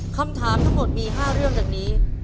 คำถามทั้งหมดมี๕เรื่องดังนี้